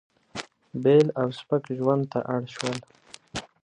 بېل او سپک ژوند ته اړ شول.